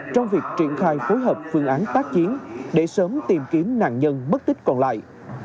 trong việc triển khai phối hợp phương án tác chiến để sớm tìm kiếm nạn nhân mất tích còn lại